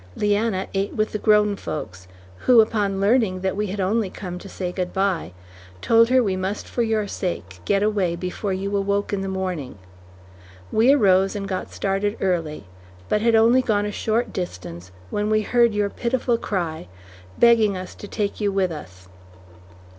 Leanna ate with the grown folks, who, upon learning that we had only come to say good bye, told her we must for your sake get away before you awoke next morning. We arose and got started early, but had only gone a short distance when we heard your pitiful cry, begging us to take you with us.